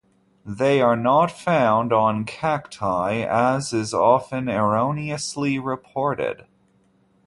They are not found on cacti, as is often erroneously reported.